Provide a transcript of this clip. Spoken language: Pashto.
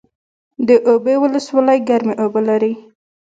د اوبې ولسوالۍ ګرمې اوبه لري